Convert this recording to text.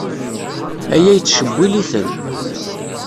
Aya yettcewwil-iten.